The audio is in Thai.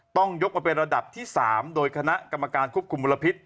ต้องยกมาเป็นระดับที่๓โดยคณะกรรมการควบคุมมลพิษ